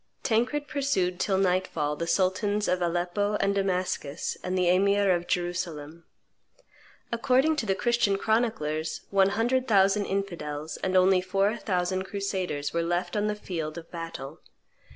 Tancred pursued till nightfall the sultans of Aleppo and Damascus and the emir of Jerusalem. According to the Christian chroniclers, one hundred thousand infidels, and only four thousand crusaders, were left on the field of battle.